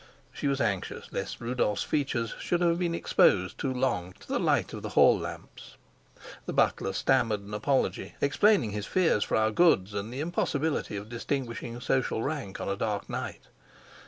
She was anxious lest Rudolf's features should have been exposed too long to the light of the hall lamps. The butler stammered an apology, explaining his fears for our goods and the impossibility of distinguishing social rank on a dark night.